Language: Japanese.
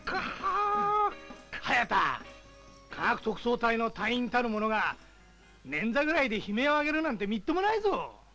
ハヤタ科学特捜隊の隊員たる者が捻挫ぐらいで悲鳴を上げるなんてみっともないぞ。